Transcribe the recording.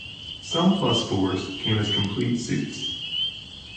Some plus fours came as complete suits.